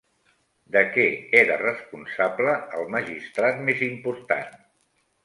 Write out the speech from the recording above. De què era responsable el magistrat més important?